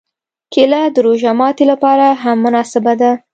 کېله د روژه ماتي لپاره هم مناسبه ده.